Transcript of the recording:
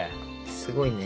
すごいね。